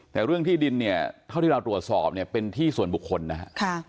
แต่เรื่องที่ดินเนี่ยเท่าที่เราตรวจสอบเนี่ยเป็นที่ส่วนบุคคลนะฮะ